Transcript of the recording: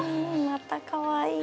またかわいい。